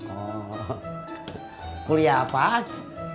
oh kuliah apaan